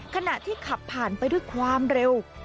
ขณะที่ขับผ่านไปด้วยความเร็ว